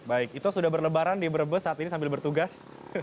baik ito sudah berlebaran di brebes saat ini sambil bertugas